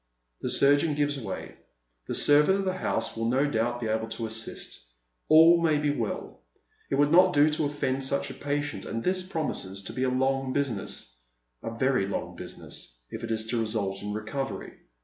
The surgeon gives way. The servant of the house will no doubt be able to assist. All may be well. It would not do to oil'end such a patient, and this promises to be a long business — a very long business — if it is to result in recovery.